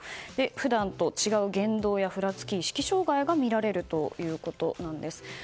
普段と違う言動やふらつき意識障害が見られるということです。